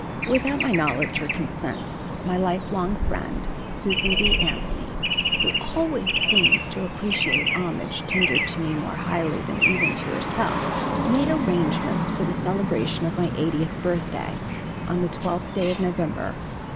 Without my knowledge or consent, my lifelong friend, Susan B. Anthony, who always seems to appreciate homage tendered to me more highly than even to herself, made arrangements for the celebration of my eightieth birthday, on the 12th day of November, 1895.